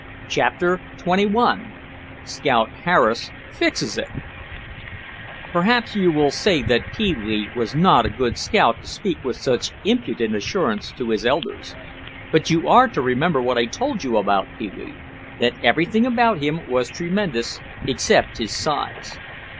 CHAPTER XXI SCOUT HARRIS FIXES IT Perhaps you will say that Pee wee was not a good scout to speak with such impudent assurance to his elders. But you are to remember what I told you about Pee wee, that everything about him was tremendous except his size.